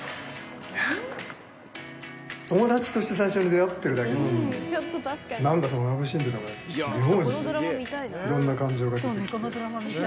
友達として最初出会ってるだけに、なんかそのラブシーンというのが、妙にいろんな感情が出てきて。